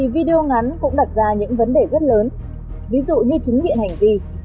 video ngắn cũng đặt ra những vấn đề rất lớn ví dụ như chứng nghiệm hành vi